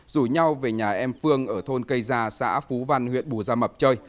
rủ nhau về nhà em phương ở thôn cây gia xã phú văn huyện bù gia mập chơi